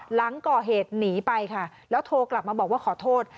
หลังก่อเหตุหนีไปค่ะแล้วโทรกลับมาบอกว่าขอโทษ